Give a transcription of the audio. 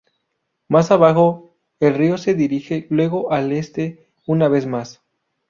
Más abajo, el río se dirige luego al este, una vez más.